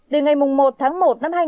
từ ngày một tháng một năm hai nghìn